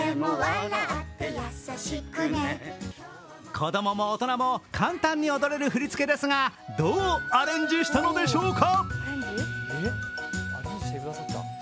子供も大人も簡単に踊れる振り付けですが、どうアレンジしたのでしょうか。